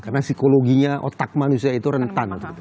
karena psikologinya otak manusia itu rentan